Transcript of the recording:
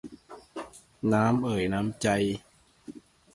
น้ำ เอย น้ำ ใจ